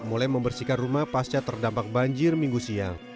mulai membersihkan rumah pasca terdampak banjir minggu siang